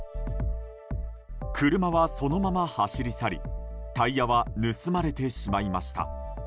車はそのまま走り去りタイヤは盗まれてしまいました。